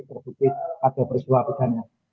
terbukti ada peristiwa pidana